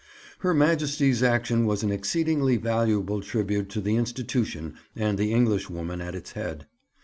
Her Majesty's action was an exceedingly valuable tribute to the institution and the Englishwoman at its head.